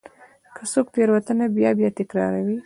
که څوک تېروتنه بیا بیا تکراروي.